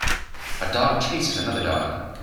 a dog chases another dog.